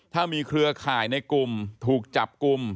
ถ้ามีเครือข่ายในกลุ่มถูกจับกลุ่ม